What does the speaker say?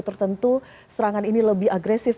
tertentu serangan ini lebih agresif